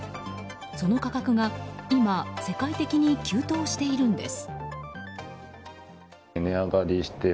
その価格が今世界的に急騰しているんです。